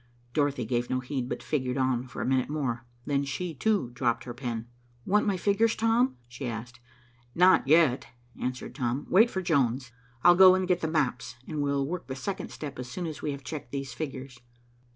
Dorothy gave no heed, but figured on for a minute more. Then she, too, dropped her pen. "Want my figures, Tom?" she asked. "Not yet," answered Tom. "Wait for Jones. I'll go and get the maps, and we'll work the second step as soon as we have checked these figures."